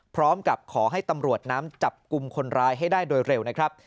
พร้อมกับขอให้ตำรวจน้ำจับกลุ่มคนร้ายให้ได้โดยเร็วนะครับ